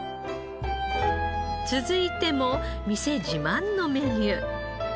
続いても店自慢のメニュー。